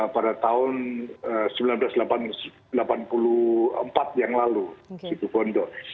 pada tahun seribu sembilan ratus delapan puluh empat yang lalu di situ bondo